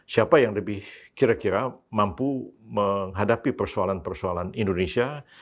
siapa yang lebih kira kira mampu menghadapi persoalan persoalan indonesia